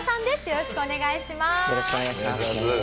よろしくお願いします。